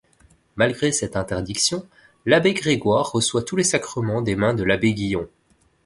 Malgré cette interdiction, l'Abbé Grégoire reçoit tous les sacrements des mains de l'abbé Guillon.